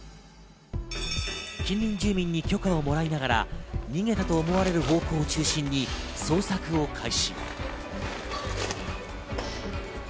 近隣住民に許可をもらいながら、逃げたと思われる方向を中心に捜索を開始。